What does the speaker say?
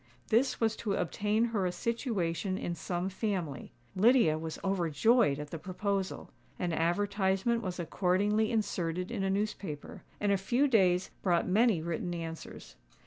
This was to obtain her a situation in some family. Lydia was overjoyed at the proposal. An advertisement was accordingly inserted in a newspaper; and a few days brought many written answers.